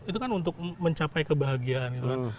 itu kan untuk mencapai kebahagiaan gitu kan